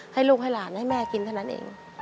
ให้ลูกให้หลานให้แม่กินเท่านั้นเอง